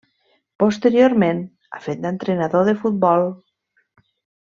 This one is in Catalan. Posteriorment, ha fet d'entrenador de futbol.